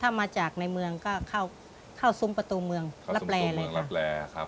ถ้ามาจากในเมืองก็เข้าซุมประตูเมืองลับแลเลยค่ะ